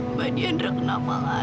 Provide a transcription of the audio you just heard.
mbak dianra kenapa lagi